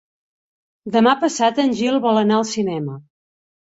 Demà passat en Gil vol anar al cinema.